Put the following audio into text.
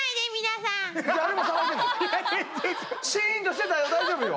シーンとしてたよ大丈夫よ。